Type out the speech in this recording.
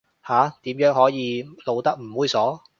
下，點樣可以露得唔猥褻